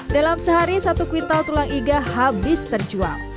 dalam sehari satu kuintal tulang iga habis terjual